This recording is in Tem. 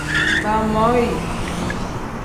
Baamoyi.